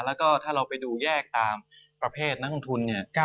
แล้วก็ถ้าเราไปดูแยกตามประเภทนักลงทุนเนี่ย